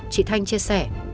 chị thanh chia sẻ